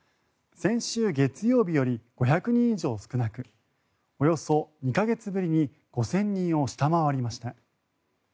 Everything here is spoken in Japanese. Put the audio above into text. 先週月曜日より５００人以上少なくおよそ２か月ぶりに５０００人を下回りました。